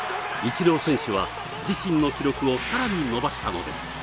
イチロー選手は自身の記録をさらに伸ばしたのです